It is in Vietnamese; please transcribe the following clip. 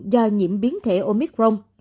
do nhiễm biến thể omicron